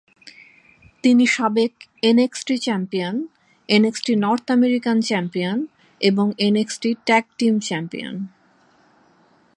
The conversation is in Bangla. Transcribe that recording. তিনি সাবেক NXT champion, NXT North American champion, এবং এনএক্সটি ট্যাগ টিম চ্যাম্পিয়ন।